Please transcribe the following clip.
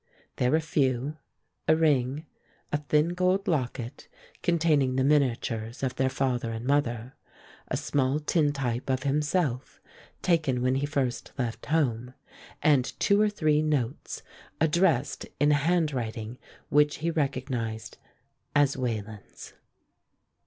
They were few: a ring, a thin gold locket containing the miniatures of their father and mother, a small tintype of himself taken when he first left home, and two or three notes addressed in a handwriting which he recognized as Wayland's.